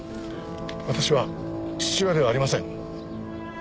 私は父親ではありません。